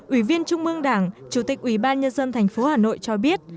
ủy viên trung mương đảng chủ tịch ủy ban nhân dân tp hà nội cho biết